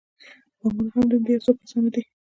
بانکونه هم د همدې یو څو کسانو دي